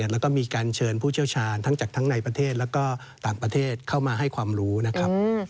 แล้วก็มีการเชิญผู้เชี่ยวชาญทั้งจากทั้งในประเทศและก็ต่างประเทศเข้ามาให้ความรู้นะครับ